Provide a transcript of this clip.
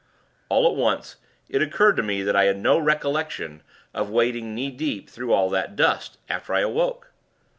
All at once, it occurred to me, that I had no recollection of wading knee deep through all that dust, after I awoke.